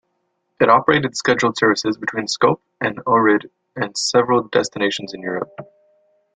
It operated scheduled services between Skopje and Ohrid and several destinations in Europe.